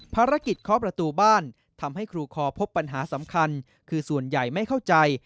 ภารกิจเคาะประตูบ้านทำให้ครูคอพบปัญหาสำคัญคือส่วนใหญ่ไม่เข้าใจ